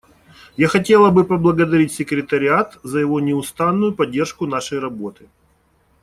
Я хотела бы поблагодарить секретариат за его неустанную поддержку нашей работы.